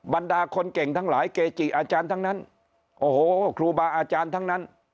บรรดาคนเก่งทั้งหลายเกจิอาจารย์ทั้งนั้นโอ้โหครูบาอาจารย์ทั้งนั้น